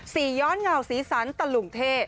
ย้อนเงาสีสันตะลุงเท่